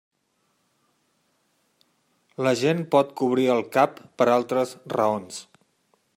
La gent pot cobrir el cap per altres raons.